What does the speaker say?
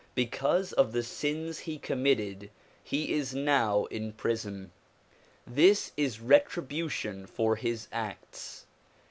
Because of the sins he committed he is now in prison. This is retribution for his acts.